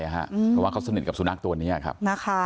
เพราะว่าเขาสนิทกับสุนัขตัวนี้ครับ